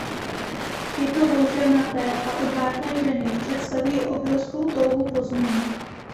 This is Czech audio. Tyto houževnaté a odvážné ženy představují obrovskou touhu po změně.